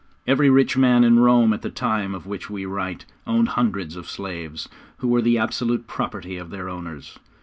Every rich man in Rome at the time of which we write owned hundreds of slaves, who were the absolute property of their owners.